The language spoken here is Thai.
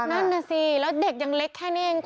นั่นน่ะสิแล้วเด็กยังเล็กแค่นี้เอง